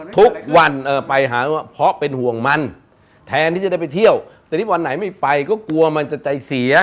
ทุกวันไปหาเพราะเป็นห่วงมันแทนที่จะได้ไปเที่ยวแต่นี่วันไหนไม่ไปก็กลัวมันจะใจเสีย